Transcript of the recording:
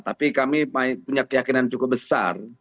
tapi kami punya keyakinan cukup besar